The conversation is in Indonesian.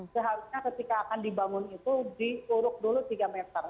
seharusnya ketika akan dibangun itu diuruk dulu tiga meter